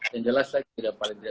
yang jelas saya tidak paling tidak